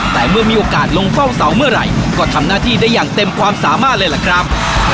แต่เมื่อมีโอกาสลงเฝ้าเสาเมื่อไหร่ก็ทำหน้าที่ได้อย่างเต็มความสามารถเลยล่ะครับ